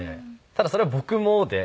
ただそれは僕もで。